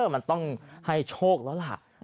มันต้องให้โชคแล้วล่ะ